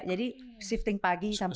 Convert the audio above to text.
jadi shifting pagi sampai siang